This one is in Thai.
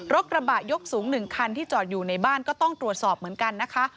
กระบะยกสูง๑คันที่จอดอยู่ในบ้านก็ต้องตรวจสอบเหมือนกันนะคะ